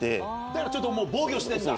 だからちょっと防御してんだ？